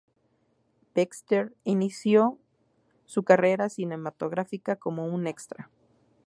Baxter inició su carrera cinematográfica como un extra.